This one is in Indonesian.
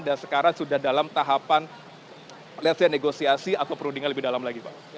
dan sekarang sudah dalam tahapan lihat saya negosiasi aku perlu dengar lebih dalam lagi pak